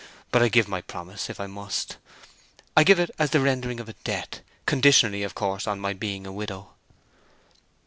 But I give my promise, if I must. I give it as the rendering of a debt, conditionally, of course, on my being a widow."